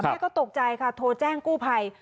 แม่ก็ตกใจค่ะโทรแจ้งกู้ภัย